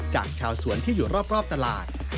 จากชาวสวนที่อยู่รอบตลาด